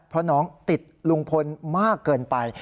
เพราะน้องติดลุงพลมากเกินไป